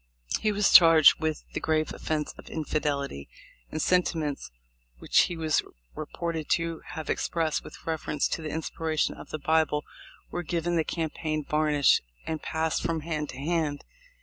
He was charged with the grave offence of infidelity, and sentiments which he was reported to have expressed with reference to the inspiration of the Bible were given the campaign varnish and passed from hand to hand.